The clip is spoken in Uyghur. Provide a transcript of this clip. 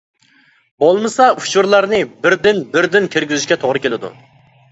بولمىسا ئۇچۇرلارنى بىردىن بىردىن كىرگۈزۈشكە توغرا كېلىدۇ.